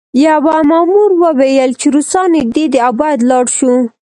یوه مامور وویل چې روسان نږدې دي او باید لاړ شو